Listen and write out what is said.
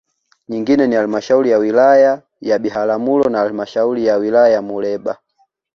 Nyingine ni Halmashauri ya wilaya ya Biharamulo na halmashauri ya Wilaya ya Muleba